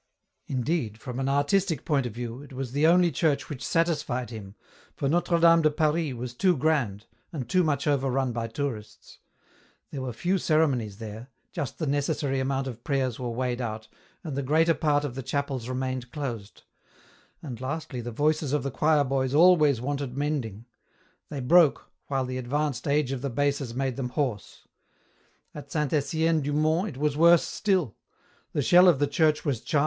" Indeed from an artistic point of view, it was the only church which satisfied him, for Notre Dame de Paris was too grand, and too much overrun by tourists ; there were few ceremonies there, just the necessary amount of prayers were weighed out, and the greater part of the chapels remained closed ; and lastly the voices of the choir boys always wanted mending ; they broke, while the advanced age of the basses made them hoarse. At St. Etienne du Mont it was worse still ; the shell of the church was charm 30 EN ROUTE.